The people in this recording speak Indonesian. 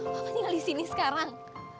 bapak tinggal di sini sekarang